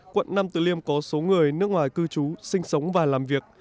quận nam tử liêm có số người nước ngoài cư trú sinh sống và làm việc